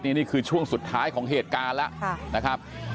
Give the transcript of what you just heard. นี่คือช่วงสุดท้ายของเหตุการณ์แล้วนะครับ